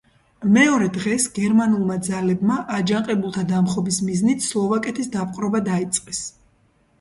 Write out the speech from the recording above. მეორე დღეს, გერმანულმა ძალებმა აჯანყებულთა დამხობის მიზნით სლოვაკეთის დაპყრობა დაიწყეს.